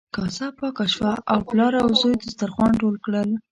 کاسه پاکه شوه او پلار او زوی دسترخوان ټول کړل.